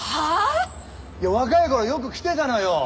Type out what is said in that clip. いや若い頃よく来てたのよ。